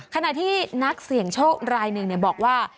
ขณะที่นักเสี่ยงโชครายหนึ่งบอกว่า